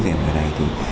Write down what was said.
đến đến giờ này thì